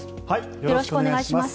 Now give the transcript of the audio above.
よろしくお願いします。